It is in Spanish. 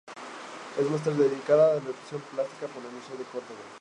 Es máster en Didáctica de la Expresión Plástica por la Universidad de Córdoba.